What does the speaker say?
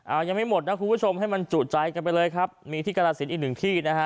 ยังไม่หมดนะคุณผู้ชมให้มันจุใจกันไปเลยครับมีที่กรสินอีกหนึ่งที่นะฮะ